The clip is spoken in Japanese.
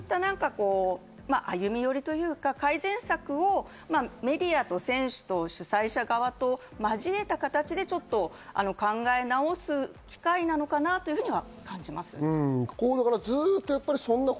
歩み寄りというか改善策をメディアと選手と主催者側と交えた形で考え直す機会なのかなというふうには感じます。